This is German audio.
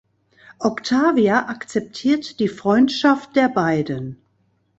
Octavia akzeptiert die Freundschaft der beiden.